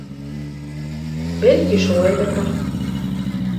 Бәлки, шулайҙыр ҙа.